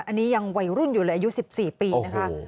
อันนี้ยังวัยรุ่นอยู่เลยอายุ๑๔ปีนะคะ